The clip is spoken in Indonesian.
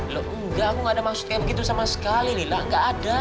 loh enggak aku nggak ada maksud kayak begitu sama sekali lila nggak ada